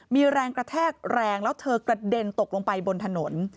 มีแรงกระแทกแรงแล้วเธอกระเด็นตกลงไปบนถนน